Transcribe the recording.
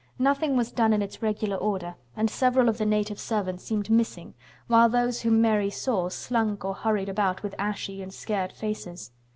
Nothing was done in its regular order and several of the native servants seemed missing, while those whom Mary saw slunk or hurried about with ashy and scared faces.